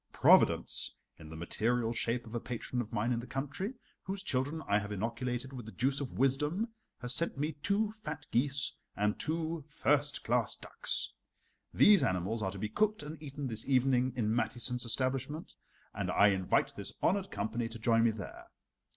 Providence, in the material shape of a patron of mine in the country, whose children I have inoculated with the juice of wisdom, has sent me two fat geese and two first class ducks. These animals are to be cooked and eaten this evening in Mathiesen's establishment, and I invite this honored company to join me there.